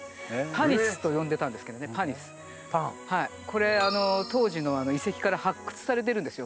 これ当時の遺跡から発掘されてるんですよ。